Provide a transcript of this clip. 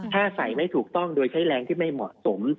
ถ้าใส่ไม่ถูกต้องโดยใช้แรงที่ไม่เหมาะสม